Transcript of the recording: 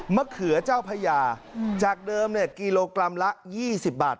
เขือเจ้าพญาจากเดิมเนี่ยกิโลกรัมละ๒๐บาท